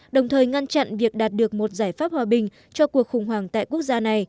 đồng thời ngăn chặn việc đạt được một giải pháp hòa bình cho cuộc khủng hoảng tại quốc gia này